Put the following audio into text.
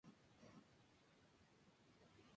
Estos se encuentran en la Zona Central.